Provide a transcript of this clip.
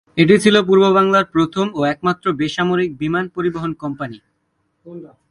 এটি ছিল পূর্ববাংলার প্রথম ও একমাত্র বেসামরিক বিমান পরিবহন কোম্পানি।